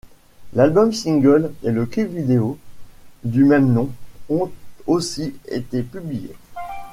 L'album single et le clip vidéo du même nom ont aussi été publiés.